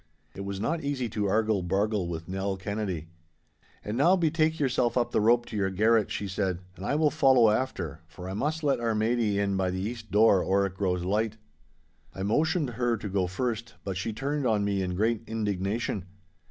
It was not easy to argle bargle with Nell Kennedy. 'And now betake yourself up the rope to your garret,' she said, 'and I will follow after, for I must let our Maidie in by the east door or it grows light.' I motioned her to go first, but she turned on me in great indignation.